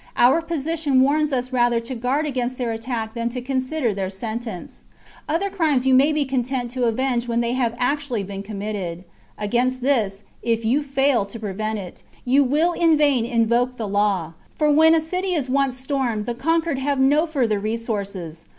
Our position warns us rather to guard against their attack than to consider their sentence. Other crimes you may be content to avenge when they have actually been committed ; against this, if you fail to prevent it, you will in vain invoke the law, LII. 50 THE CONSPIRACY OF CATILINE. CHAP, for when a city is once stormed the conquered have no further resources.